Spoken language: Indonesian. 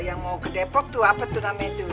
yang mau ke depok tuh apa tuh namanya itu